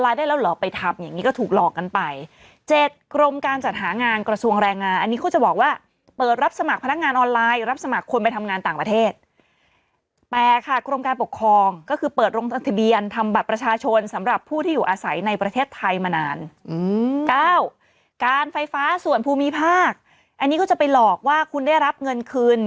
กระทรวงแรงงานอันนี้เขาจะบอกว่าเปิดรับสมัครพนักงานออนไลน์รับสมัครคนไปทำงานต่างประเทศแต่ค่ะกรมการปกครองก็คือเปิดลงทะเบียนทำบัตรประชาชนสำหรับผู้ที่อยู่อาศัยในประเทศไทยมานาน๙การไฟฟ้าส่วนภูมิภาคอันนี้เขาจะไปหลอกว่าคุณได้รับเงินคืน